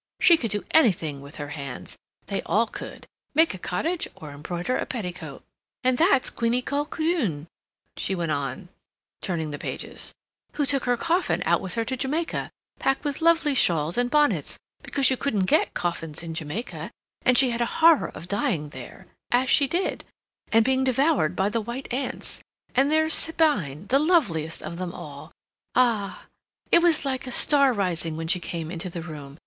She could do anything with her hands—they all could—make a cottage or embroider a petticoat. "And that's Queenie Colquhoun," she went on, turning the pages, "who took her coffin out with her to Jamaica, packed with lovely shawls and bonnets, because you couldn't get coffins in Jamaica, and she had a horror of dying there (as she did), and being devoured by the white ants. And there's Sabine, the loveliest of them all; ah! it was like a star rising when she came into the room.